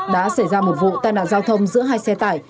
đã xảy ra một vụ tai nạn giao thông giữa hai xe tải